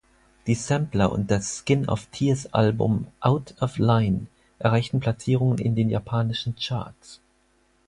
Die Sampler und das Skin-of-Tears-Album "Out of Line" erreichten Platzierungen in den japanischen Charts.